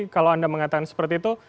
kalau anda mengatakan seperti itu